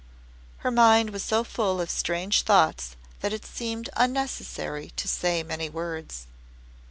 Her mind was so full of strange thoughts that it seemed unnecessary to say many words.